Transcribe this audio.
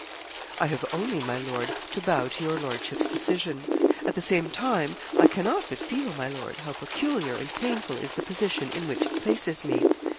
'I have only, my lord, to bow to your lordship's decision; at the same time I cannot but feel, my lord, how peculiar and painful is the position in which it places me.